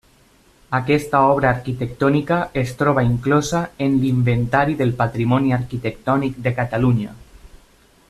Aquesta obra arquitectònica es troba inclosa en l'Inventari del Patrimoni Arquitectònic de Catalunya.